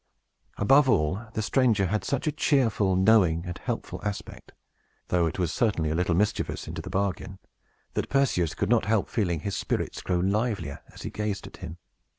Above all, the stranger had such a cheerful, knowing, and helpful aspect (though it was certainly a little mischievous, into the bargain), that Perseus could not help feeling his spirits grow livelier as he gazed at him.